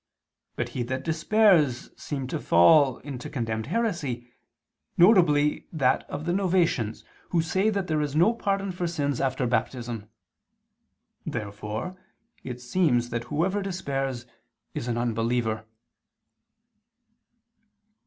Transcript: But he that despairs seems to fall into a condemned heresy, viz. that of the Novatians, who say that there is no pardon for sins after Baptism. Therefore it seems that whoever despairs, is an unbeliever.